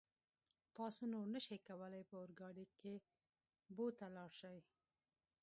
تاسو نور نشئ کولای په اورګاډي کې بو ته لاړ شئ.